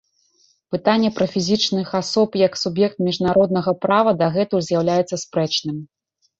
Пытанне пра фізічных асоб як суб'ект міжнароднага права дагэтуль з'яўляецца спрэчным.